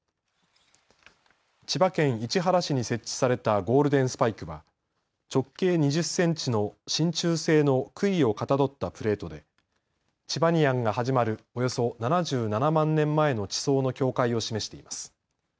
千葉県市原市に設置されたゴールデンスパイクは直径２０センチのしんちゅう製のくいをかたどったプレートでチバニアンが始まるおよそ７７万年前の地層の境界を示しています。